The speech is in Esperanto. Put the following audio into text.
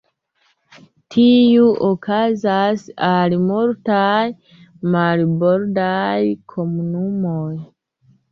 Tiu okazas al multaj marbordaj komunumoj.